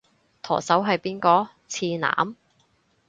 舵手係邊個？次男？